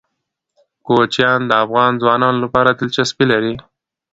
کوچیان د افغان ځوانانو لپاره دلچسپي لري.